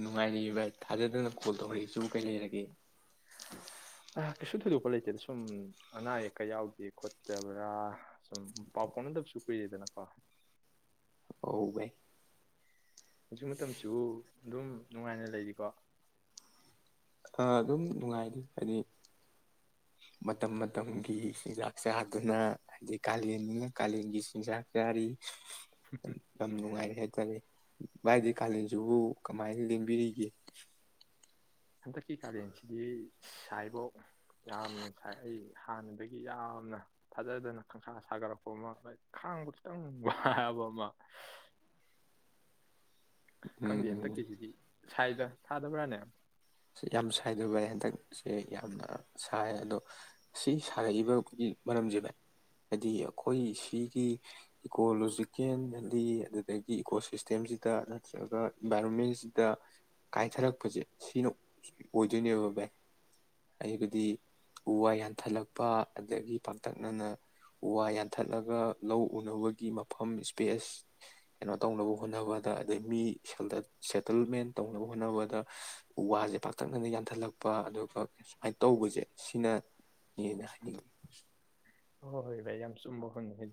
ꯅꯨꯡꯉꯥꯏꯔꯤ ꯚꯥꯏ ꯊꯥꯖꯗꯅ ꯀꯣꯜ ꯇꯧꯔꯛꯏꯁꯤ ꯀꯩ ꯂꯩꯔꯒꯦ ꯀꯩꯁꯨ ꯊꯣꯏꯗꯣꯛꯄ ꯂꯩꯇꯦꯗ ꯁꯨꯝ ꯑꯅꯥ ꯑꯌꯦꯛꯀ ꯌꯥꯎꯗꯦ ꯈꯣꯠꯇꯕ꯭ꯔꯥ ꯄꯥ ꯀꯅꯗꯁꯨꯨ ꯀ꯭ꯔꯤꯖꯗꯦꯅꯀ ꯍ ꯚꯥꯏ ꯍꯧꯖꯤꯛ ꯃꯇꯝꯁꯤ ꯑꯗꯨꯝ ꯅꯨꯡꯉꯥꯏꯅ ꯂꯩꯔꯤꯀꯣ ꯑꯥ ꯑꯗꯨꯝ ꯅꯨꯡꯉꯥꯏꯔꯤ ꯍꯥꯏꯗꯤ ꯃꯇꯝ ꯃꯇꯝꯒꯤ ꯆꯤꯟꯖꯥꯛ ꯆꯥꯗꯨꯅ ꯍꯥꯏꯗꯤ ꯀꯥꯂꯦꯟꯅ ꯀꯥꯂꯦꯟꯒꯤ ꯆꯤꯟꯖꯥꯛ ꯆꯥꯔꯤ ꯌꯥꯝ ꯅꯨꯡꯉꯥꯏꯔꯦ ꯍꯥꯏꯇꯥꯔꯦ ꯚꯥꯏꯗꯤ ꯀꯥꯂꯦꯟꯁꯤꯕꯨ ꯀꯃꯥꯏꯅ ꯂꯦꯡꯕꯤꯔꯤꯒꯦ ꯍꯟꯗꯛꯀꯤ ꯀꯥꯔꯗꯦꯟꯁꯤꯗꯤ ꯁꯥꯏꯕꯧ ꯌꯥꯝꯅꯥꯏ ꯑꯩ ꯍꯥꯟꯅ ꯑꯗꯒꯤ ꯌꯥꯝꯅ ꯊꯥꯖꯗꯅ ꯈꯪꯁꯥ ꯁꯥꯒꯠꯔꯛꯄ ꯑꯃ ꯂ ꯈꯥꯡꯕ ꯈꯤꯇꯪ ꯋꯥꯕ ꯑꯃ ꯈꯪꯗꯦ ꯎꯝ ꯍꯟꯗꯛꯀꯤꯁꯤꯗꯤ ꯁꯥꯏꯗ ꯁꯥꯗꯕ꯭ꯔꯥꯅꯦ ꯎꯝ ꯌꯥꯝ ꯁ꯭ꯋꯥꯥꯏꯗ ꯥꯏ ꯍꯟꯗꯪ ꯁꯦ ꯌꯥꯝꯅ ꯁꯥꯏ ꯑꯗꯣ ꯁꯤ ꯁꯥꯔꯛꯏꯕꯒꯤ ꯃꯔꯝꯁꯦ ꯍꯥꯏꯗꯤ ꯑꯩꯈꯣꯏ ꯁꯤꯒꯤ ꯏꯀꯣꯂꯣꯖꯤꯀꯦꯟꯗꯤ ꯑꯗꯨꯗꯒꯤ ꯏꯀꯣ ꯁꯤꯁꯇꯦꯝꯁꯤꯗ ꯅꯠꯇ꯭ꯔꯒ ꯏꯟꯚꯥꯏꯔꯣꯟꯃꯦꯟꯁꯤꯗ ꯀꯥꯏꯊꯔꯛꯄꯁꯦ ꯁꯤꯅ ꯑꯣꯏꯗꯣꯏꯅꯦꯕ ꯚꯏ ꯑꯩꯕꯨꯗꯤ ꯎ ꯋꯥ ꯌꯥꯟꯊꯠꯂꯛꯄ ꯑꯗꯒꯤ ꯄꯥꯛꯇꯛꯅꯅ ꯎ ꯋꯥ ꯌꯥꯟꯊꯠꯂꯒ ꯂꯧ ꯎꯅꯕꯒꯤ ꯃꯐꯝ ꯏꯁꯄꯦꯁ ꯀꯩꯅꯣ ꯇꯧꯅꯕ ꯍꯣꯠꯅꯕꯗ ꯑꯗꯩ ꯃꯤ ꯁꯦꯇꯜꯃꯦꯟ ꯇꯧꯅꯕ ꯍꯣꯠꯅꯕꯗ ꯎ ꯋꯥꯁꯦ ꯄꯥꯛꯇꯛꯅꯅ ꯌꯥꯟꯊꯠꯂꯛꯄ ꯑꯗꯨꯒ ꯁꯨꯃꯥꯏꯅ ꯇꯧꯕꯁꯦ ꯁꯤꯅ ꯌꯦꯗꯥꯅꯤ ꯍꯣꯏ ꯍꯣꯏ ꯚꯥꯏ ꯌꯥꯝ ꯆꯨꯝꯕ ꯍꯣꯉ ꯍꯥꯏ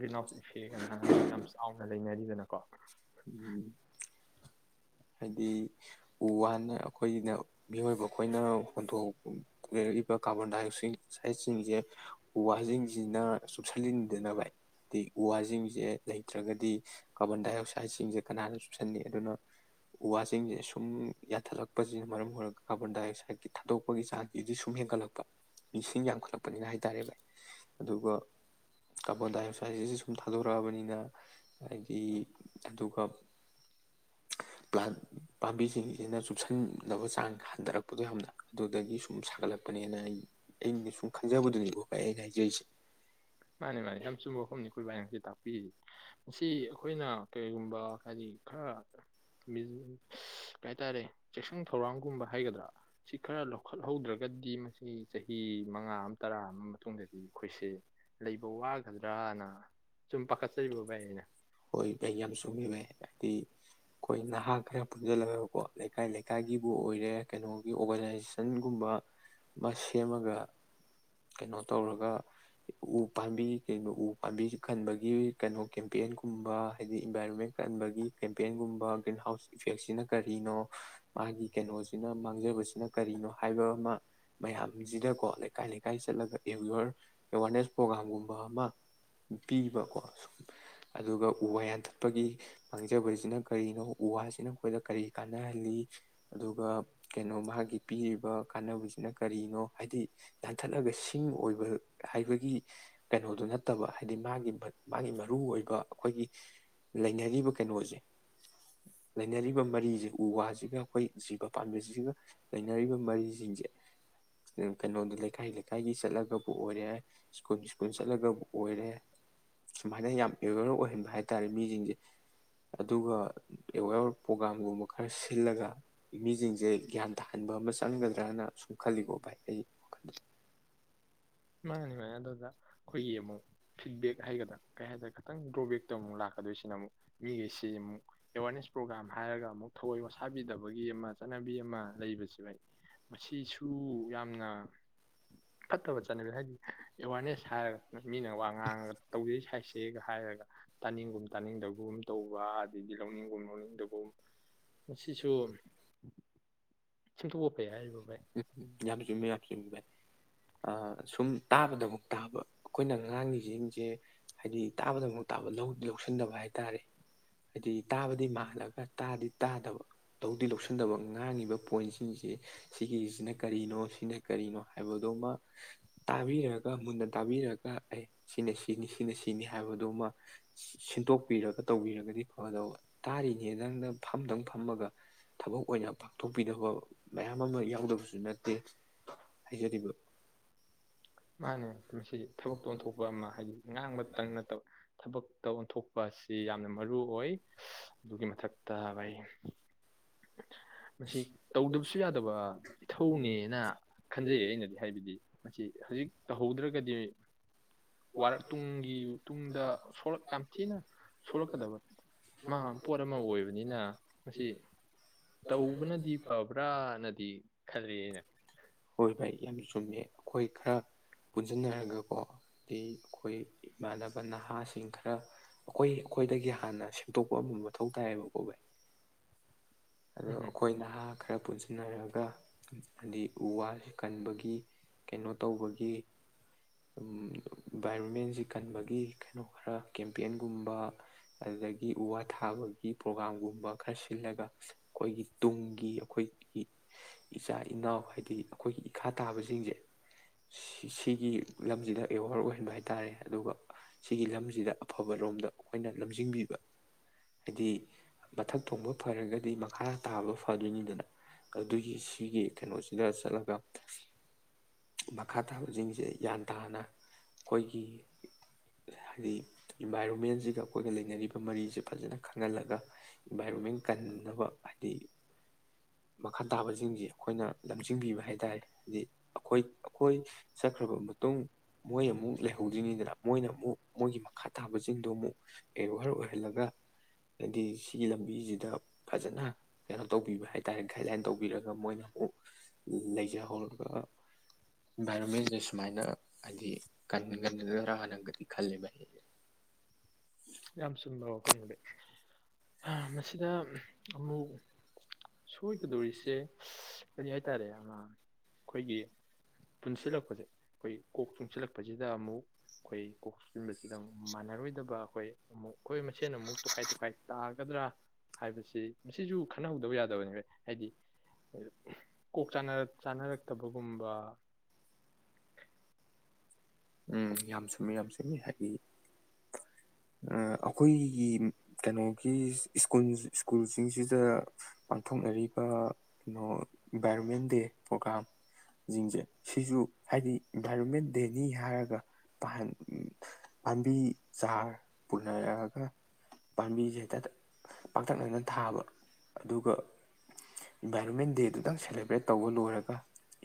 ꯒ꯭ꯔꯤꯟ ꯍꯥꯎꯁ ꯏꯐꯦꯛꯅ ꯌꯥꯝ ꯆꯥꯎꯅ ꯂꯩꯅꯗꯅ ꯀ ꯎꯝ ꯍꯥꯏꯗꯤ ꯎ ꯋꯥꯅ ꯑꯩꯈꯣꯏꯅ ꯃꯤꯑꯣꯏꯕ ꯑꯩꯈꯣꯏꯅ ꯍꯣꯟꯊꯣꯛ ꯂꯩꯔꯛꯏꯕ ꯀꯥꯔꯕꯣꯟ ꯗꯥꯏꯑꯣꯛꯁꯥꯏꯠꯁꯤꯡꯁꯦ ꯎ ꯋꯥꯁꯤꯡꯁꯤꯅ ꯆꯨꯞꯁꯤꯟꯟꯗꯅꯕ ꯍꯥꯏꯗꯤ ꯎ ꯋꯥꯁꯤꯡꯁꯦ ꯂꯩꯇ꯭ꯔꯒꯗꯤ ꯀꯥꯔꯕꯣꯟ ꯗꯥꯏꯑꯣꯛꯁꯥꯏꯠꯁꯤꯡꯁꯦ ꯀꯅꯥꯅ ꯆꯨꯞꯁꯤꯟꯜꯂꯤ ꯑꯗꯨꯅ ꯎ ꯋꯥꯁꯤꯡꯁꯦ ꯁꯨꯝ ꯌꯥꯟꯊꯠꯂꯛꯄꯁꯤꯅ ꯃꯔꯝ ꯑꯣꯏꯔꯒ ꯀꯥꯔꯕꯣꯟꯗꯥꯏꯑꯛꯁꯥꯏꯠꯀꯤ ꯊꯥꯗꯣꯛꯄꯒꯤ ꯆꯥꯡꯁꯤꯗꯤ ꯁꯨꯝ ꯍꯦꯟꯒꯠꯂꯛꯄ ꯃꯤꯁꯤꯡ ꯌꯥꯝꯈꯠꯂꯛꯄꯅꯤꯅ ꯍꯥꯏꯇꯥꯔꯦꯕ ꯑꯗꯨꯒ ꯀꯥꯔꯕꯣꯟꯗꯥꯏꯑꯛꯁꯥꯏꯠꯁꯤꯁꯨ ꯁꯨꯝ ꯊꯥꯗꯣꯔꯛꯑꯕꯅꯤꯅ ꯍꯥꯏꯗꯤ ꯑꯗꯨꯒ ꯄ꯭ꯂꯥꯟ ꯄꯥꯝꯕꯤꯁꯤꯡꯁꯤꯅ ꯆꯨꯞꯁꯤꯟꯅꯕ ꯆꯥꯡ ꯍꯟꯊꯔꯛꯄꯗꯣ ꯌꯥꯝꯅ ꯑꯗꯨꯗꯒꯤ ꯁꯨꯝ ꯁꯥꯒꯠꯂꯛꯄꯅꯦꯅ ꯑꯩ ꯑꯩꯅ ꯁꯨꯝ ꯈꯟꯖꯕꯗꯨꯅꯦꯕꯣ ꯑꯩ ꯑꯩꯅ ꯍꯥꯏꯖꯔꯤꯁꯦ ꯃꯥꯅꯦ ꯃꯥꯅꯦ ꯌꯥꯝ ꯆꯨꯝꯕ ꯃꯐꯝꯅꯤ ꯑꯩꯈꯣꯏꯕꯥꯏꯁꯤ ꯇ ꯎꯝ ꯃꯁꯤ ꯑꯩꯈꯣꯏꯅ ꯀꯩꯒꯨꯝꯕ ꯍꯥꯏꯗꯤ ꯈꯔ ꯀꯩ ꯍꯥꯏꯇꯥꯔꯦ ꯆꯦꯛꯁꯤꯟ ꯊꯧꯔꯥꯡꯒꯨꯝꯕ ꯍꯥꯏꯒꯗ꯭ꯔꯥ ꯁꯤ ꯈꯔ ꯂꯧꯈꯠꯍꯧꯗ꯭ꯔꯒꯗꯤ ꯃꯁꯤ ꯆꯍꯤ ꯃꯉꯥ ꯑꯃ ꯇꯔꯥ ꯑꯃꯒꯤ ꯃꯇꯨꯡꯗꯗꯤ ꯑꯩꯈꯣꯏꯁꯦ ꯂꯩꯕ ꯋꯥꯒꯗ꯭ꯔꯥꯅ ꯑꯣꯏꯣꯏ ꯀꯩ ꯌꯥꯝ ꯁꯃꯤ ꯗꯤ ꯑꯩꯈꯣꯏ ꯅꯍꯥ ꯈꯔ ꯄꯨꯟꯁꯤꯜꯂꯒꯕꯀꯣ ꯂꯩꯀꯥꯏ ꯂꯩꯀꯥꯏꯒꯤꯕꯨ ꯑꯣꯏꯔꯦ ꯀꯩꯅꯣꯒꯤ ꯑꯣꯔꯒꯅꯥꯏꯖꯦꯁꯟꯒꯨꯝꯕ ꯑꯃ ꯁꯦꯝꯃꯒ ꯀꯩꯅꯣ ꯇꯧꯔꯒ ꯎ ꯄꯥꯝꯕꯤ ꯀꯣ ꯎ ꯄꯥꯝꯕꯤ ꯈꯟꯕꯒꯤ ꯀꯩꯅꯣ ꯀꯦꯝꯄꯦꯟꯒꯨꯝꯕ ꯍꯥꯏꯗꯤ ꯏꯟꯚꯥꯏꯔꯣꯟꯃꯦꯟ ꯀꯟꯕꯒꯤ ꯀꯦꯝꯄꯦꯟꯒꯨꯝꯕ ꯒ꯭ꯔꯤꯟ ꯍꯥꯎꯁ ꯏꯐꯦꯛꯁꯤꯅ ꯀꯔꯤꯅꯣ ꯃꯥꯒꯤ ꯀꯩꯅꯣꯁꯤꯅ ꯃꯥꯡꯖꯕꯁꯤꯅ ꯀꯔꯤꯅꯣ ꯍꯥꯏꯕ ꯑꯃ ꯃꯌꯥꯝꯁꯤꯗꯀꯣ ꯂꯩꯀꯥꯏ ꯂꯩꯀꯥꯏ ꯆꯠꯂꯒ ꯑꯦ ꯑꯦꯋꯥꯔꯅꯦꯁ ꯄ꯭ꯔꯣꯒ꯭ꯔꯥꯝꯒꯨꯝꯕ ꯑꯃ ꯄꯤꯕꯀꯣ ꯁꯨꯝ ꯑꯗꯨꯒ ꯎ ꯋꯥ ꯌꯥꯟꯊꯠꯄꯒꯤ ꯃꯥꯡꯖꯕꯁꯤꯅ ꯀꯔꯤꯅꯣ ꯎ ꯋꯥꯁꯤꯅ ꯑꯩꯈꯣꯏꯗ ꯀꯔꯤ ꯀꯥꯟꯅꯍꯜꯂꯤ ꯑꯗꯨꯒ ꯀꯩꯅꯣ ꯃꯥꯒꯤ ꯄꯤꯔꯤꯕ ꯀꯥꯟꯅꯕꯁꯤꯅ ꯀꯔꯤꯅꯣ ꯍꯥꯏꯗꯤ ꯌꯥꯟꯊꯠꯂꯒ ꯁꯤꯡ ꯑꯣꯏꯕ ꯍꯥꯏꯕꯒꯤ ꯀꯩꯅꯣꯗꯨ ꯅꯠꯇꯕ ꯍꯥꯏꯗꯤ ꯃꯥꯒꯤ ꯃꯥꯒꯤ ꯃꯔꯨꯏꯕ ꯑꯩꯈꯣꯏꯒꯤ ꯂꯩꯅꯔꯤꯕ ꯀꯩꯅꯣꯁꯦ ꯂꯩꯅꯔꯤꯕ ꯃꯔꯤꯁꯦ ꯎ ꯋꯥꯁꯤꯒ ꯑꯩꯈꯣꯏ ꯖꯤꯕ ꯄꯥꯝꯕꯤꯁꯤꯒ ꯂꯩꯅꯔꯤꯕ ꯃꯔꯤꯁꯤꯡꯁꯦ ꯀꯩꯅꯣꯗ ꯂꯩꯀꯥꯏ ꯂꯩꯀꯥꯏꯒꯤ ꯆꯠꯂꯒꯕꯨ ꯑꯣꯏꯔꯦ ꯁ꯭ꯀꯨꯜ ꯁ꯭ꯀꯨꯜ ꯆꯠꯂꯒꯕꯨ ꯑꯣꯏꯔꯦ ꯃꯥꯏꯅꯦ ꯍ ꯌꯥꯝ ꯑꯦꯋꯦꯌꯔ ꯑꯣꯏꯍꯟꯕ ꯍꯥꯏꯇꯥꯔꯦ ꯃꯤꯁꯤꯡꯁꯦ ꯑꯗꯨꯒ ꯑꯦꯋꯥꯦꯔ ꯄ꯭ꯔꯣꯒꯥꯝꯒꯨꯝꯕ ꯈꯔ ꯁꯤꯜꯂꯒ ꯃꯤꯁꯤꯡꯁꯦ ꯒ꯭ꯌꯥꯟ ꯇꯥꯍꯟꯕ ꯑꯃ ꯆꯪꯒꯗ꯭ꯔꯅ ꯁꯨꯝ ꯈꯜꯂꯤꯀꯣ ꯚꯥꯏ ꯑꯩ ꯋꯥꯈꯜꯗꯨꯗ ꯅꯦꯃꯦꯗ ꯑꯩꯈꯣꯏꯒꯤ ꯑꯃꯨꯛ ꯐꯤꯗꯕꯦꯛ ꯍꯥꯏꯒꯗ꯭ꯔꯥ ꯀꯩ ꯍꯥꯏꯒ ꯈꯤꯇꯪ ꯗ꯭ꯔꯕꯛꯇ ꯑꯃꯨꯛ ꯂꯥꯛꯀꯗꯣꯏꯁꯤꯅꯨꯛ ꯃꯤꯁꯝ ꯑꯦꯋꯥꯔꯅꯦꯁ ꯄ꯭ꯔꯣꯒ꯭ꯔꯥꯝ ꯍꯥꯏꯔꯒ ꯑꯃꯨꯛ ꯊꯑꯣꯏ ꯋꯥꯁꯥꯕꯤꯗꯕꯒꯤ ꯑꯃ ꯆꯠꯅꯕꯤ ꯑꯃ ꯂꯩꯕꯕꯁꯤ ꯃꯁꯤꯁꯨ ꯌꯥꯝꯅ ꯐꯠꯇꯕ ꯆꯕꯤ ꯍꯥꯏꯗꯤ ꯑꯦꯋꯥꯔꯅꯦꯁ ꯍꯥꯏꯔꯒ ꯃꯤꯅ ꯋꯥ ꯉꯥꯡꯉꯒ ꯇꯧꯖꯩ ꯁꯥꯏꯁꯦꯒ ꯍꯥꯏꯔꯒ ꯇꯥꯅꯤꯡꯒꯨꯝ ꯇꯥꯅꯤꯡꯗꯒꯨꯝ ꯇꯧꯕ ꯑꯗꯩꯗꯤ ꯂꯧꯅꯤꯡꯒꯨꯝ ꯂꯧꯅꯤꯡꯗꯒꯨꯝ ꯃꯁꯤꯁꯨ ꯁꯤꯇ ꯑꯣꯄꯦ ꯍꯥꯏꯔꯤꯕꯕ ꯎꯝ ꯌꯥꯝ ꯆꯨꯝꯕ ꯌꯥꯝ ꯆꯨꯝꯕꯏ ꯁꯨꯝ ꯇꯥꯕꯗ ꯑꯃ ꯇꯥꯕ ꯑꯩꯈꯣꯏꯅ ꯉꯥꯡꯉꯤꯁꯤꯡꯁꯤꯡꯁꯦ ꯍꯥꯏꯗꯤ ꯇꯥꯕꯗ ꯑꯃꯛ ꯇꯥꯕ ꯂꯧꯗꯤ ꯂꯧꯁꯤꯟꯗꯕ ꯍꯥꯏ ꯇꯥꯔꯦ ꯍꯥꯏꯗꯤ ꯇꯥꯕꯗꯤ ꯃꯜꯂꯒ ꯇꯥꯗꯤ ꯇꯥꯗꯕ ꯂꯧꯗꯤ ꯂꯧꯁꯤꯟꯗꯕ ꯉꯥꯡꯉꯤꯕ ꯄꯣꯏꯟꯁꯤꯡꯁꯦ ꯁꯤꯒꯤꯁꯤꯅ ꯀꯔꯤꯅꯣ ꯁꯤꯅ ꯀꯔꯤꯅꯣ ꯍꯥꯏꯕꯗꯨꯃ ꯇꯥꯕꯤꯔꯒ ꯃꯨꯟꯅ ꯇꯥꯕꯤꯔꯒ ꯑꯦ ꯁꯤꯅ ꯁꯤꯅꯤ ꯁꯤꯅ ꯁꯤꯅꯤ ꯍꯥꯏꯕꯗꯨꯃ ꯁꯤꯟꯇꯣꯛꯄꯤꯔꯒ ꯇꯧꯕꯤꯔꯒꯗꯤ ꯐꯗꯧꯕ ꯇꯥꯔꯤꯅꯤ ꯅꯪꯅ ꯐꯝꯗꯪ ꯐꯝꯃꯒ ꯊꯕꯛ ꯑꯣꯏꯅ ꯄꯥꯡꯊꯣꯛꯄꯤꯗꯕ ꯃꯌꯥꯝ ꯑꯃ ꯑꯃ ꯌꯥꯎꯗꯕꯁꯨ ꯅꯠꯇꯦ ꯍꯥꯏꯖꯔꯤꯕ ꯃꯥꯅꯦ ꯃꯁꯤꯁꯦ ꯊꯕꯛꯇ ꯑꯣꯟꯊꯣꯛꯄ ꯑꯃ ꯍꯥꯏꯗꯤ ꯉꯥꯡꯕꯇꯪ ꯅꯠꯇꯕ ꯊꯕꯛꯇ ꯑꯣꯟꯊꯣꯛ ꯑꯁꯤ ꯌꯥꯝꯅ ꯃꯔꯨ ꯑꯣꯏ ꯑꯗꯨꯒꯤ ꯃꯊꯛꯇ ꯑꯩꯏ ꯃꯁꯤ ꯇꯧꯗꯕꯁꯨ ꯌꯥꯗꯕ ꯏꯊꯧꯅꯦꯅ ꯈꯟꯖꯩ ꯑꯩꯅꯗꯤ ꯍꯥꯏꯕꯗꯤ ꯃꯁꯤ ꯍꯧꯖꯤꯛ ꯇꯧꯍꯧꯗ꯭ꯔꯒꯗꯤ ꯋꯥꯔ ꯇꯨꯡꯒꯤ ꯇꯨꯡꯗꯥ [unintelligible] ꯇꯝꯆꯤꯅ ꯁꯣꯂꯀꯗꯕ ꯃꯥ ꯄꯣꯠ ꯑꯃ ꯑꯣꯏꯕꯅꯤꯅ ꯃꯁꯤ ꯇꯧꯕꯅꯗꯤ ꯐꯕ꯭ꯔꯥꯅꯗꯤ ꯈꯜꯂꯤ ꯑꯩꯅ ꯍꯣꯏ ꯚꯥꯏ ꯌꯥꯝ ꯆꯨꯝꯃꯦ ꯑꯩꯈꯣꯏ ꯈꯔ ꯄꯨꯟꯁꯤꯟꯅꯔꯒꯀꯣ ꯍꯥꯏꯗꯤ ꯑꯩꯈꯣꯏ ꯏꯃꯥꯟꯅꯕ ꯅꯍꯥꯁꯤꯡ ꯈꯔ ꯑꯩꯈꯣꯏ ꯑꯩꯈꯣꯏꯗꯒꯤ ꯍꯥꯟꯅ ꯈꯇꯣꯛꯄ ꯑꯃ ꯃꯊꯧ ꯇꯥꯏꯌꯦꯕꯀꯣ ꯚꯥꯏ ꯑꯗꯣ ꯎꯝ ꯍꯝ ꯑꯩꯈꯣꯏ ꯅꯍꯥ ꯈꯔ ꯄꯨꯟꯁꯤ ꯁꯤꯖꯤꯟꯅꯔꯒ ꯍꯥꯏꯗꯤ ꯎ ꯋꯥꯁꯤ ꯀꯟꯕꯒꯤ ꯀꯩꯅꯣ ꯇꯧꯕꯒꯤ ꯏꯟꯚꯥꯏꯔꯣꯟꯃꯦꯟꯁꯤ ꯀꯟꯕꯒꯤ ꯀꯩꯅꯣ ꯈꯔ ꯀꯦꯝꯄꯦꯟꯒꯨꯝꯕ ꯑꯗꯨꯗꯒꯤ ꯎ ꯋꯥ ꯊꯥꯕꯒꯤ ꯄ꯭ꯔꯣꯒꯥ꯭ꯔꯒꯥꯝꯒꯨꯝꯕ ꯈꯔ ꯁꯤꯜꯂꯒ ꯑꯩꯈꯣꯏꯒꯤ ꯇꯨꯡꯒꯤ ꯑꯩꯈꯣꯏꯒꯤ ꯏꯆꯥ ꯏꯅꯥꯎ ꯍꯥꯏꯗꯤ ꯑꯩꯈꯣꯏꯒꯤ ꯏꯈꯥ ꯇꯥꯕꯁꯤꯡꯁꯦ ꯁꯤꯒꯤ ꯂꯝꯁꯤꯗ ꯑꯦꯋꯥꯔ ꯑꯣꯏꯍꯟꯕ ꯍꯥꯏꯇꯥꯥꯔꯦ ꯑꯗꯨꯒ ꯁꯤꯒꯤ ꯂꯝꯁꯤꯗ ꯑꯐꯕꯔꯣꯝꯗ ꯑꯩꯈꯣꯏꯅ ꯂꯝꯖꯤꯡꯕꯤꯕ ꯍꯥꯏꯗꯤ ꯃꯊꯛ ꯊꯣꯡꯕ ꯐꯔꯒ ꯑꯩ ꯃꯈꯥ ꯇꯥꯕ ꯐꯗꯣꯏꯅꯤꯗꯅ ꯑꯗꯨꯒꯤ ꯁꯤꯒꯤ ꯀꯩꯅꯣꯁꯤꯗ ꯆꯠꯂꯒ ꯃꯈꯥ ꯇꯥꯕꯁꯤꯡꯁꯦ ꯒ꯭ꯌꯥꯟ ꯇꯥꯅ ꯑꯩꯈꯣꯏꯒꯤ ꯍꯥꯏꯗꯤ ꯏꯟꯚꯥꯏꯔꯣꯟꯃꯦꯟꯁꯤꯒ ꯑꯩꯈꯣꯏꯒ ꯂꯩꯅꯔꯤꯕ ꯃꯔꯤꯁꯤꯦ ꯐꯖꯅ ꯈꯪꯍꯜꯂꯒ ꯏꯟꯚꯥꯏꯔꯣꯟꯃꯦꯟ ꯀꯟ ꯐꯅꯕ ꯍꯥꯏꯗꯤ ꯃꯈꯥ ꯇꯥꯕꯁꯤꯡꯁꯤ ꯑꯩꯈꯣꯏꯅ ꯂꯝꯖꯤꯡꯕꯤꯕ ꯍꯥꯏꯇꯥꯔꯦ ꯍꯥꯏꯗꯤ ꯑꯩꯈꯣꯏ ꯑꯩꯈꯣꯏ ꯆꯠꯈ꯭ꯔꯕ ꯃꯇꯨꯡ ꯃꯣꯏ ꯑꯃꯨꯛ ꯂꯩꯍꯧꯗ꯭ꯔꯤꯉꯩꯗꯅ ꯃꯣꯏꯅ ꯑꯃꯨꯛ ꯃꯣꯏꯒꯤ ꯃꯈꯥ ꯇꯥꯕꯁꯤꯡꯗꯣ ꯑꯃꯨꯛ ꯑꯦꯋꯌꯥꯔ ꯑꯣꯏꯍꯜꯂꯒ ꯍꯥꯏꯗꯤ ꯁꯤꯒꯤ ꯂꯝꯕꯤꯁꯤꯗ ꯐꯖꯅ ꯀꯩꯅꯣ ꯇꯧꯕꯤꯕ ꯍꯥꯏꯇꯥꯔꯦ [unintelligible] ꯇꯧꯕꯤꯔꯒ ꯃꯣꯏꯅ ꯑꯃꯨꯛ ꯂꯩꯖꯍꯧꯔꯒ ꯏꯟꯚꯥꯏꯔꯣꯟꯃꯦꯟꯁꯦ ꯁꯨꯃꯥꯏꯅ ꯍꯥꯏꯗꯤ ꯀꯟꯅ ꯉꯟꯅꯒꯗ꯭ꯔꯥ ꯍꯥꯟꯅꯒꯗꯤ ꯈꯜꯂꯦꯕ ꯑꯩ ꯌꯥꯝ ꯁꯨꯗꯔ ꯋꯥꯐꯝꯅꯨ ꯃꯁꯤꯗ ꯑꯃꯨꯛ ꯁꯣꯏꯒꯗꯧꯔꯤꯁꯦ ꯀꯔꯤ ꯍꯥꯏꯇꯥꯔꯦ ꯑꯩꯈꯣꯏꯒꯤ ꯄꯨꯟꯁꯤꯜꯂꯛꯄꯁꯦ ꯑꯩꯈꯣꯏ ꯀꯣꯛ ꯆꯨꯡꯁꯤꯜꯂꯛꯄꯁꯤꯗ ꯑꯃꯨꯛ ꯑꯩꯈꯣꯏ ꯀꯣꯛ ꯄꯨꯟꯕꯁꯤꯗ ꯑꯃꯨꯛ ꯃꯥꯟꯅꯔꯣꯏꯗꯕ ꯑꯩꯈꯣꯏ ꯑꯩꯈꯣꯏ ꯃꯁꯦꯟꯅ ꯑꯃꯨꯛ ꯇꯣꯈꯥꯏ ꯇꯣꯈꯥꯏ ꯇꯥ ꯒꯗ꯭ꯔꯥ ꯍꯥꯏꯕꯁꯤ ꯃꯁꯤꯁꯨ ꯈꯟꯅꯍꯧꯗꯕ ꯌꯥꯔꯦ ꯗꯕꯅꯦ ꯍꯥꯏꯗꯤ ꯀꯣꯛ ꯆꯥꯅꯔꯛꯇꯕꯒꯨꯝꯕ ꯎꯝ ꯌꯥꯝ ꯆꯨꯝꯃꯤ ꯌꯥꯝ ꯁꯨꯝꯃꯤ ꯍꯥꯏꯗꯤ ꯑꯩꯈꯣꯏꯒꯤ ꯀꯩꯅꯣꯒꯤ ꯁꯀꯨꯜ ꯁ꯭ꯀꯨꯜꯁꯤꯡꯁꯤꯗ ꯄꯥꯡꯊꯣꯛꯅꯔꯤꯕ ꯀꯩꯅꯣ ꯏꯟꯚꯥꯏꯔꯣꯟꯃꯦꯟ ꯗꯦ ꯄ꯭ꯔꯣꯒ꯭ꯔꯥꯝ ꯁꯤꯡꯁꯦ ꯁꯤꯁꯨ ꯍꯥꯏꯗꯤ ꯏꯟꯚꯥꯏꯔꯣꯟꯃꯦꯟ ꯗꯦꯅꯤ ꯍꯥꯏꯔꯒ ꯄꯥꯝꯕꯤ ꯆꯥꯔ ꯄꯨꯅꯔꯛꯑꯒ ꯄꯥꯝꯕꯤꯁꯦ ꯍꯦꯛꯇ ꯄꯥꯛꯇꯛꯅꯅ ꯊꯥꯕ ꯑꯗꯨꯒ ꯏꯟꯚꯥꯏꯔꯣꯟꯃꯦꯟ ꯗꯦꯗꯨꯇꯪ ꯁꯦꯂꯦꯕ꯭ꯔꯦꯠ ꯇꯧꯕ ꯂꯣꯏꯔꯒ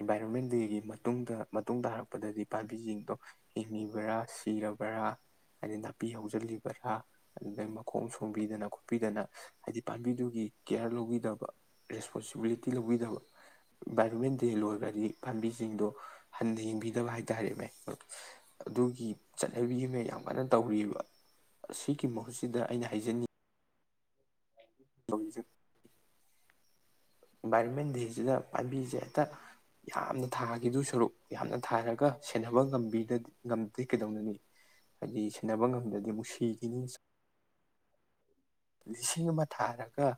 ꯏꯟꯚꯥꯏꯔꯣꯟꯃꯦꯟ ꯗꯦꯒꯤ ꯃꯇꯨꯡꯗ ꯃꯇꯨꯡ ꯇꯥꯔꯛꯄꯗꯗꯤ ꯄꯥꯝꯕꯤꯁꯤꯡꯗꯣ ꯍꯤꯡꯉꯤꯕ꯭ꯔꯥ ꯁꯤꯔꯕ꯭ꯔꯥ ꯍꯥꯏꯗꯤ ꯅꯥꯄꯤ ꯍꯧ ꯂꯤ ꯚꯔꯥ ꯑꯗꯨꯗꯒꯤꯩ ꯃꯈꯣꯡ ꯁꯣꯝꯕꯤꯗꯅ ꯈꯣꯠꯄꯤꯗꯅ ꯍꯥꯏꯗꯤ ꯄꯥꯝꯕꯤꯗꯨꯒꯤ ꯀꯤꯌꯥꯔ ꯂꯧꯕꯤꯗꯕ ꯔꯦꯁꯄꯣꯟꯁꯤꯕꯤꯂꯤꯇꯤ ꯂꯧꯕꯤꯗꯕ ꯏꯟꯚꯥꯏꯔꯣꯟꯃꯦꯟ ꯗꯦ ꯂꯣꯏꯔꯒꯗꯤ ꯄꯥꯝꯕꯤꯁꯤꯡꯗꯣ ꯍꯟꯅ ꯌꯦꯡꯕꯤꯗꯕ ꯍꯥꯏꯇꯥꯥꯔꯦ ꯃ ꯑꯗꯨꯒꯤ ꯆꯠꯅꯕꯤꯒꯤ ꯃꯌꯥꯝ ꯀꯃꯥꯏꯅ ꯇꯧꯔꯤꯕ ꯑꯁꯤꯒꯤꯒꯤ ꯃꯍꯨꯠꯁꯤꯗ ꯑꯩꯅ ꯍꯥꯏꯖꯅꯤꯡꯉꯤ ꯇꯣꯡꯖꯟ ꯏꯟꯚꯥꯏꯔꯣꯟꯃꯦꯟꯁꯤꯁꯤꯗ ꯄꯥꯝꯕꯤꯁꯦ ꯇ ꯌꯥꯝꯅ ꯊꯥꯈꯤꯗꯨ ꯁꯔꯨꯛ ꯌꯥꯝꯅ ꯊꯥꯏꯔꯒ ꯁꯦꯟꯅꯕ ꯉꯝꯕꯤ ꯑꯗꯨ ꯀꯩꯗꯧꯅꯅꯤ ꯍꯥꯏꯗꯤ ꯁꯤꯟꯅꯕ ꯉꯝꯗ꯭ꯔꯗꯤ ꯅꯨꯡꯁꯤꯒꯤꯅꯤ ꯂꯤꯁꯤꯡ ꯑꯃ ꯊꯥꯔꯒ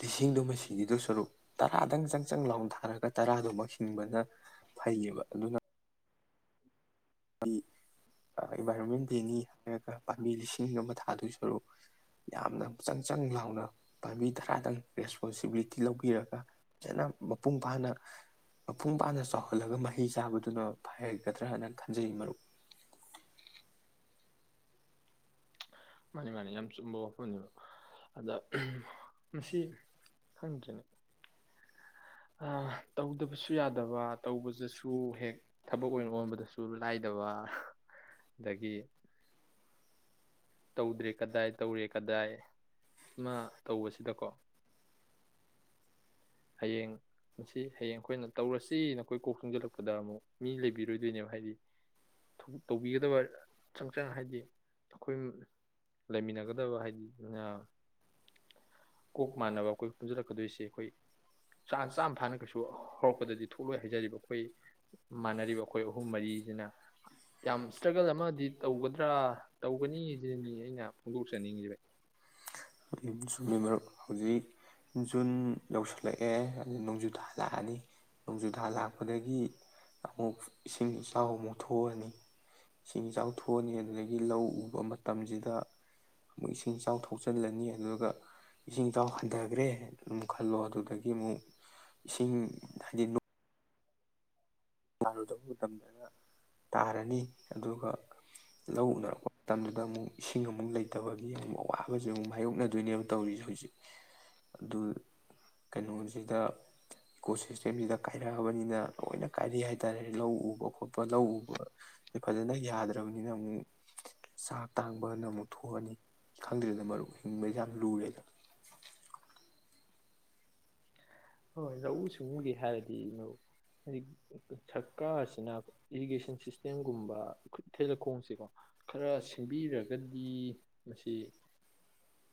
ꯂꯤꯁꯤꯡꯗꯨꯣꯃ ꯁꯤꯒꯤꯗꯨ ꯁꯔꯨꯛ ꯇꯔꯥꯗꯪ ꯆꯪ ꯆꯪ ꯂꯥꯎꯟ ꯊꯥꯔꯒ ꯇꯔꯥꯗꯨ ꯁꯤꯡꯕꯅ ꯐꯩꯌꯦꯕ ꯑꯗꯨꯅ ꯏꯟꯚꯥꯏꯔꯣꯟꯃꯦꯟ ꯗꯦꯅꯤ ꯍꯥꯏꯔꯒ ꯄꯥꯝꯕꯤ ꯂꯤꯁꯤꯡ ꯑꯃ ꯊꯥꯗꯨ ꯁꯔꯨꯛ ꯌꯥꯝꯅ ꯆꯪ ꯆꯪ ꯂꯥꯎꯅ ꯄꯥꯝꯕꯤ ꯊꯔꯥꯗꯪ ꯔꯦꯁꯄꯣꯟꯁꯤꯕꯤꯂꯤꯇꯤ ꯂꯧꯕꯤꯔꯒ ꯐꯖꯅ ꯃꯄꯨꯡ ꯐꯥꯅ ꯃꯄꯨꯡ ꯐꯥꯅ ꯆꯥꯎꯍꯜꯂꯒ ꯃꯍꯩ ꯆꯥꯕꯗꯨꯅ ꯐꯒꯗ꯭ꯔꯥꯅ ꯈꯜꯜꯂꯤ ꯖꯩ ꯃꯔꯨꯞ ꯃꯥꯅꯤ ꯃꯥꯅꯤ ꯌꯥꯝ ꯆꯨꯝꯕ ꯋꯥꯐꯝꯅꯦꯕ ꯑꯗ ꯃꯁꯤ ꯍꯪꯈꯤꯅꯤ ꯇꯧꯗꯕꯁꯨ ꯌꯥꯗꯕ ꯇꯧꯕꯗꯁꯨ ꯍꯦꯛ ꯊꯕꯛ ꯑꯣꯏꯅ ꯑꯣꯟꯕꯗꯁꯨ ꯂꯥꯏꯗꯕ ꯑꯗꯒꯤ ꯇꯧꯗ꯭ꯔꯦ ꯀꯗꯥꯏ ꯇꯧꯔꯦ ꯀꯗꯥꯏ ꯑꯃ ꯑꯃ ꯇꯧꯕꯁꯤꯗꯀꯣ ꯍꯌꯦꯡ ꯃꯁꯤ ꯍꯌꯦꯡ ꯑꯩꯈꯣꯏꯅ ꯇꯧꯔꯁꯤ ꯅ ꯑꯩꯈꯣꯏ ꯀꯣꯛ ꯊꯣꯡꯖꯤꯜꯂꯛꯄꯗ ꯑꯃꯨꯛ ꯃꯤ ꯂꯩꯕꯤꯔꯣꯏꯗꯣꯏꯅꯦꯕ ꯍꯥꯏꯗꯤ ꯇꯧꯕꯤꯒꯗꯕ ꯆꯪꯁꯪ ꯍꯥꯏꯕꯗꯤ ꯑꯩꯈꯣꯏ ꯂꯩꯃꯤꯟꯅꯒꯗꯕ ꯍꯥꯏꯗꯤ ꯀꯣꯛ ꯃꯥꯟꯅꯕ ꯑꯩꯈꯣꯏ ꯄꯨꯟꯁꯤꯜꯂꯛꯀꯗꯣꯏꯁꯦ ꯑꯩꯈꯣꯏ ꯆꯥ ꯆꯥꯝꯃ ꯐꯥꯅ ꯀꯩꯁꯨ ꯍꯧꯔꯛꯄꯗꯗꯤ ꯊꯣꯛꯂꯣꯏ ꯍꯥꯏꯖꯔꯤꯕ ꯑꯩꯈꯣꯏ ꯃꯥꯟꯅꯔꯤꯕ ꯑꯩꯈꯣꯏ ꯑꯍꯨꯝ ꯃꯔꯤꯁꯤꯅ ꯌꯥꯝ ꯏꯁꯇ꯭ꯔꯒꯜ ꯑꯃꯗꯤ ꯇꯧꯒꯗ꯭ꯔꯥ ꯇꯧꯒꯅꯤꯁꯤꯅ ꯑꯩꯅ ꯐꯣꯡꯗꯣꯛꯆꯅꯤꯡꯉꯚ ꯁꯨꯝꯒꯤ ꯃꯔꯛ ꯍꯧꯖꯤꯛ ꯖꯨꯟ ꯌꯧꯁꯤꯜꯂꯛꯑꯦ ꯑꯗꯨ ꯅꯣꯡꯖꯨꯊꯥ ꯂꯥꯛꯑꯅꯤ ꯅꯣꯡꯖꯨ ꯊꯥ ꯂꯥꯛꯄꯗꯒꯤ ꯑꯃꯨꯛ ꯏꯁꯤꯡ ꯏꯆꯥꯎ ꯑꯃꯨꯛ ꯊꯣꯛꯑꯅꯤ ꯏꯁꯤꯡ ꯏꯆꯥꯎ ꯊꯣꯛꯑꯅꯤ ꯑꯗꯨꯗꯒꯤ ꯂꯧ ꯎꯕ ꯃꯇꯝꯁꯤꯗ ꯑꯃꯨꯛ ꯏꯁꯤꯡ ꯏꯆꯥꯎ ꯊꯣꯛꯆꯤꯜꯂꯅꯤ ꯑꯗꯨꯒ ꯏꯁꯤꯡ ꯏꯆꯥꯎ ꯍꯟꯊꯈ꯭ꯔꯦ ꯑꯗꯨꯝ ꯈꯜꯂꯣ ꯑꯗꯨꯗꯒꯤ ꯑꯃꯨꯛ ꯏꯁꯤꯡ ꯍꯥꯏꯗꯤ ꯇꯥꯔꯨꯗꯕ ꯃꯇꯝꯗꯅ ꯇꯥꯔꯅꯤ ꯑꯗꯨꯒ ꯂꯧ ꯎꯅꯔꯛꯄ ꯃꯇꯝꯗꯨꯗ ꯑꯃꯨꯛ ꯏꯁꯤꯡ ꯑꯃꯨꯛ ꯂꯩꯇꯕꯒꯤ ꯑꯃꯨꯛ ꯑꯋꯥꯕꯁꯤ ꯑꯃꯨꯛ ꯃꯥꯏꯌꯣꯛꯅꯗꯣꯏꯅꯦꯕ ꯇꯧꯔꯤꯁꯦ ꯍꯧꯖꯤꯛ ꯑꯗꯨ ꯀꯩꯅꯣꯁꯤꯗ ꯏꯀꯣ ꯁꯤꯁꯇꯦꯝꯁꯤꯗ ꯀꯥꯏꯔꯛꯑꯕꯅꯤꯅ ꯂꯣꯏꯅ ꯀꯥꯏꯔꯤ ꯍꯥꯏꯇꯥꯔꯦ ꯂꯧ ꯎꯕ ꯈꯣꯠꯄ ꯂꯧ ꯎꯕꯁꯦ ꯐꯖꯅ ꯌꯥꯗ꯭ꯔꯕꯅꯤꯅ ꯑꯃꯨꯛ ꯆꯥꯛ ꯇꯥꯡꯕꯅ ꯑꯃꯨꯛ ꯊꯣꯛꯑꯅꯤ ꯈꯪꯗ꯭ꯔꯦꯗꯅ ꯃꯔꯨ ꯍꯤꯡꯕꯁꯦ ꯌꯥꯝ ꯂꯨꯔꯦꯗ ꯍꯣꯏ ꯂꯧꯎ ꯁꯤꯡꯎꯒꯤ ꯍꯥꯏꯔꯗꯤ ꯍꯥꯏ ꯁꯔꯀꯥꯔꯁꯤꯅ ꯏꯔꯤꯒꯦꯁꯟ ꯁꯤꯁꯇꯦꯝꯒꯨꯝꯕ ꯏꯊꯦꯜ ꯂꯧꯈꯣꯡꯁꯦꯀꯣ ꯈꯔ ꯁꯦꯝꯕꯤꯔꯒꯗꯤ ꯃꯁꯤ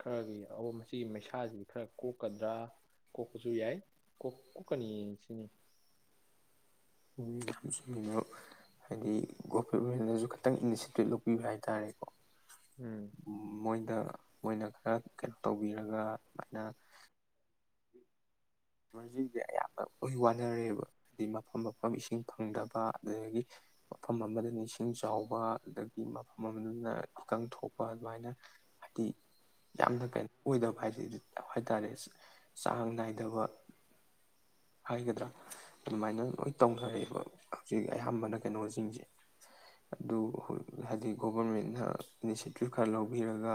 ꯈꯔꯒꯤ ꯑꯣ ꯃꯁꯤꯒꯤ ꯃꯩꯁꯥꯁꯤ ꯈꯔ ꯀꯣꯛꯀꯗ꯭ꯔꯥ ꯀꯣꯛꯄꯁꯨ ꯌꯥꯏ ꯀ ꯀꯣꯀꯥꯅꯤꯁꯤꯅꯤ ꯅ ꯍꯥꯏꯗꯤ ꯒꯣꯃꯦꯟꯃꯦꯟꯅꯁꯨ ꯈꯤꯇꯪ ꯏꯅꯤꯁꯦꯇꯤꯞ ꯂꯧꯕꯤꯕ ꯍꯥꯏꯇꯥꯔꯦꯀꯣ ꯎꯝ ꯃꯣꯏꯗ ꯃꯣꯏꯅ ꯈꯔ ꯀꯩꯅꯣ ꯇꯧꯕꯤꯔꯒ ꯑꯗꯨꯅ ꯇꯅꯣꯂꯣꯖꯤꯗꯤꯦ ꯑꯌꯥꯝꯅ ꯂꯣꯏ ꯋꯥꯅꯔꯦꯕ ꯍꯥꯏꯗꯤ ꯃꯐꯝ ꯃꯐꯝ ꯏꯁꯤꯡ ꯐꯪꯗꯕ ꯑꯗꯨꯗꯒꯤ ꯃꯐꯝ ꯑꯃꯗꯅ ꯏꯁꯤꯡ ꯆꯥꯎꯕ ꯑꯗꯒꯤ ꯃꯐꯝ ꯑꯃꯗꯅ ꯏꯀꯪ ꯊꯣꯛꯄ ꯑꯗꯨꯃꯥꯏꯅ ꯍꯥꯏꯗꯤ ꯌꯥꯝꯅ ꯀꯩꯅꯣ ꯑꯣꯏꯗꯕ ꯍꯥꯏꯗꯤ ꯍꯥꯏ ꯇꯔꯦ ꯆꯥꯡ ꯅꯥꯏꯗꯕ ꯍꯥꯏꯒꯗ꯭ꯔꯥ ꯑꯗꯨꯃꯥꯏꯅ ꯂꯣꯏ ꯇꯧꯅꯔꯛꯑꯦꯕ ꯍꯧꯖꯤꯛ ꯑꯌꯥꯝꯕꯅ ꯀꯩꯅꯣꯁꯤꯡꯁꯦ ꯑꯗꯨ ꯍꯥꯏꯗꯤ ꯒꯣꯚꯔꯃꯦꯟꯅ ꯏꯅꯤꯁꯤꯦꯇꯤꯞ ꯈꯔ ꯂꯧꯕꯤꯔꯒ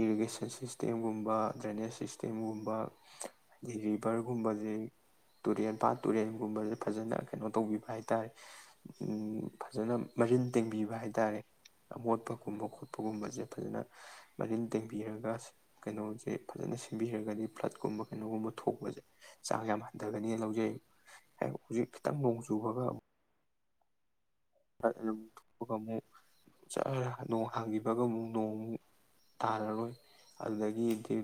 ꯏꯔꯤꯒꯦꯁꯟ ꯁꯤꯁꯇꯦꯝꯒꯨꯝꯕ ꯗ꯭ꯔꯦꯅꯦꯖ ꯁꯤꯁꯇꯦꯝꯒꯨꯝꯕ ꯍꯥꯏꯗꯤ ꯚꯔꯒꯨꯝꯕꯁꯦ ꯇꯨꯔꯦꯜ ꯄꯥꯠ ꯇꯨꯔꯦꯜꯒꯨꯝꯕꯁꯦ ꯐꯖꯅ ꯀꯩꯅꯣ ꯇꯧꯕꯤꯕ ꯍꯥꯏ ꯇꯥꯔꯦ ꯐꯖꯅ ꯃꯔꯤꯟ ꯇꯦꯡꯕꯤꯕ ꯍꯥꯏ ꯇꯥꯔꯦ ꯑꯃꯣꯠꯄꯒꯨꯝꯕ ꯈꯣꯠꯄꯒꯨꯝꯕꯁꯦ ꯐꯖꯅ ꯃꯔꯤꯟ ꯇꯦꯡꯕꯤꯔꯒ ꯀꯩꯅꯣꯁꯦ ꯐꯖꯅ ꯁꯦꯝꯟꯕꯤꯔꯒꯗꯤ ꯐ꯭ꯂꯠꯀꯨꯝꯕ ꯀꯩꯅꯣꯒꯨꯝꯕ ꯊꯣꯛꯄꯁꯦ ꯆꯥꯡ ꯌꯥꯝ ꯍꯦ ꯍꯟꯊꯒꯅꯤꯅ ꯂꯧꯖꯩ ꯍꯦꯛ ꯍꯧꯖꯤꯛ ꯈꯤꯇꯪ ꯅꯣꯡ ꯆꯨꯕꯒ ꯑꯒ ꯑꯃꯨꯛ ꯆꯠ ꯅꯣꯡ ꯍꯥꯡꯈꯤꯕꯒ ꯑꯃꯨꯛ ꯅꯣꯡꯃꯨꯛ ꯇꯥꯔꯔꯣꯏ ꯑꯗꯨꯗꯒꯤꯗꯤꯝ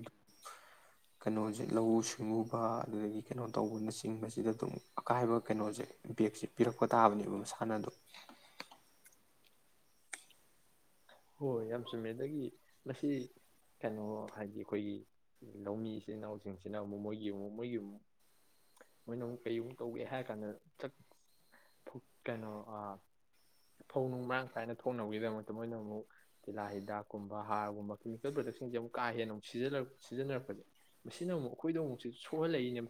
ꯀꯩꯅꯣꯁꯦ ꯂꯧꯎ ꯁꯤꯡꯎꯕ ꯑꯗꯨꯗꯒꯤ ꯀꯩꯅꯣ ꯇꯧꯕꯅ ꯆꯤꯡꯕꯁꯤꯗ ꯑꯗꯨꯝ ꯑꯀꯥꯏꯕ ꯀꯩꯅꯣꯁꯦ ꯕꯦꯛꯁꯦ ꯄꯤꯔꯛꯄ ꯇꯥꯕꯅꯦꯕ ꯃꯁꯥꯟꯅꯗꯣ ꯍꯣꯏ ꯌꯥꯝ ꯆꯨꯝꯃꯦ ꯑꯗꯒꯤ ꯃꯁꯤ ꯀꯩꯅꯣ ꯍꯥꯏꯗꯤ ꯑꯩꯈꯣꯏꯒꯤ ꯂꯧꯃꯤ ꯏꯆꯤꯜ ꯏꯅꯥꯎꯁꯤꯡꯁꯤꯅ ꯑꯃꯨꯛ ꯃꯣꯏꯒꯤ ꯑꯃꯨꯛ ꯃꯣꯏꯒꯤ ꯑꯃꯨꯛ ꯃꯣꯏꯅ ꯑꯃꯨꯛ ꯀꯩꯃꯨꯛ ꯇꯧꯒꯦ ꯍꯥꯏꯔ ꯀꯥꯟꯗ ꯆꯠ ꯀꯩꯅꯣ ꯐꯧꯅꯨꯡ ꯃꯔꯥꯡ ꯀꯥꯏꯅ ꯊꯣꯛꯅꯕꯒꯤꯗꯃꯛꯇ ꯃꯣꯏꯅ ꯑꯃꯨꯛ ꯇꯤꯜꯍꯥ ꯍꯤꯗꯥꯛꯀꯨꯝꯕ ꯍꯥꯔꯒꯨꯝꯕ ꯀꯦꯃꯤꯀꯦꯜ ꯄ꯭ꯔꯗꯛꯁꯤꯡꯁꯦ ꯑꯃꯨꯛ ꯀꯥ ꯍꯦꯟꯅ ꯑꯃꯨꯛ ꯁꯤꯖꯤꯛ ꯁꯤꯖꯤꯟꯅꯔꯛꯄꯁꯦ ꯃꯁꯤꯅ ꯑꯃꯨꯛ ꯑꯩꯈꯣꯏꯗ ꯑꯃꯨꯛꯁꯨ ꯁꯣꯛꯍꯜꯂꯛꯏꯅꯦ